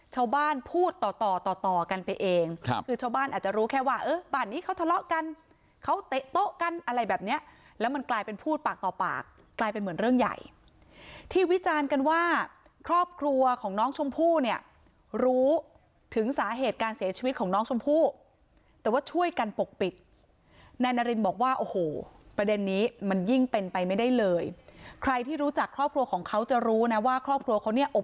ชาวบ้านพูดต่อต่อต่อต่อกันไปเองครับคือชาวบ้านอาจจะรู้แค่ว่าเออบ้านนี้เขาทะเลาะกันเขาเตะโต๊ะกันอะไรแบบเนี้ยแล้วมันกลายเป็นพูดปากต่อปากกลายเป็นเหมือนเรื่องใหญ่ที่วิจารณ์กันว่าครอบครัวของน้องชมพู่เนี้ยรู้ถึงสาเหตุการเสียชีวิตของน้องชมพู่แต่ว่าช่วยกันปกปิดแนนารินบอกว่าโอ้โหประเด